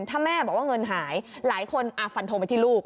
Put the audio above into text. ถ้าแม่บอกว่าเงินหายหลายคนฟันโทรไปที่ลูก